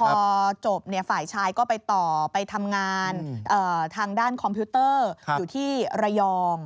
พอจบฝ่ายชายก็ไปต่อไปทำงานทางด้านคอมพิวเตอร์อยู่ที่ระยอง